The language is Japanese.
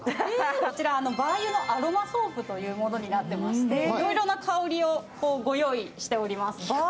こちら馬油のアロマソープとなっておりましていろいろな香りをご用意しております。